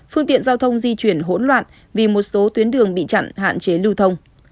phương tiện giao thông di chuyển hỗn loạn vì một số tuyến đường bị chặn hạn chế lưu thông